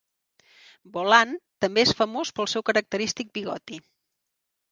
Boland també és famós pel seu característic bigoti.